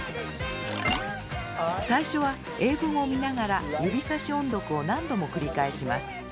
最初は英文を見ながら指さし音読を何度も繰り返します。